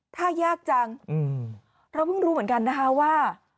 ถ้ายากจังเราเพิ่งรู้เหมือนกันนะคะว่า